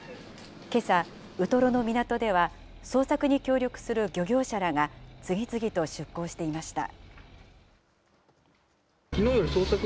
けさ、ウトロの港では、捜索に協力する漁業者らが、次々と出港していました。